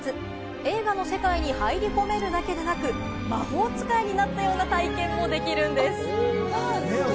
映画の世界に入り込めるだけでなく、魔法使いになったような体験もできるんです。